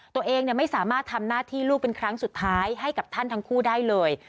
ตัวเองไม่สามารถทำหน้าที่ลูกเป็นครั้งสุดท้ายให้กับท่านทั้งคู่ได้เลย